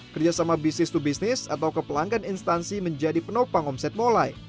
kerjasama bisnis to bisnis atau kepelanggan instansi menjadi penopang omset molai